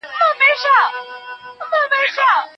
په سوله کې ژوند وکړئ.